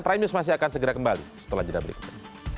terima kasih pak frederick